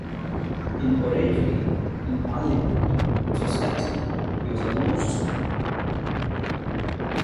In oratory, in parliament, in society, he was almost supreme.